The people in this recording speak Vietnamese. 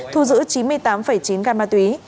thu giữ chín mươi tám chín gai ma túy